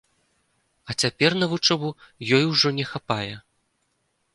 А цяпер на вучобу ёй ўжо не хапае.